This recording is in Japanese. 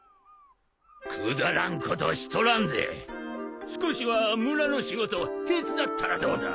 くだらんことしとらんで少しは村の仕事を手伝ったらどうだ！？